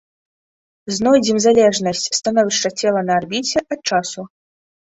Знойдзем залежнасць становішча цела на арбіце ад часу.